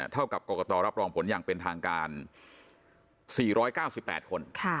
เท่ากับกรกตรับรองผลอย่างเป็นทางการ๔๙๘คน